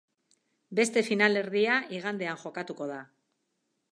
Beste finalerdia igandean jokatuko da.